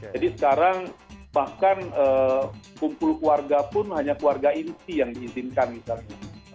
jadi sekarang bahkan kumpul keluarga pun hanya keluarga inti yang diizinkan misalnya